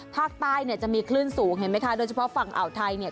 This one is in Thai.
ภาคใต้จะมีคลื่นสูงเห็นไหมคะโดยเฉพาะฝั่งอ่าวไทย